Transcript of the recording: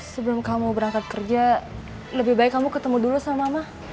sebelum kamu berangkat kerja lebih baik kamu ketemu dulu sama mah